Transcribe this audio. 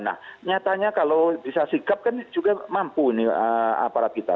nah nyatanya kalau bisa sigap kan juga mampu nih aparat kita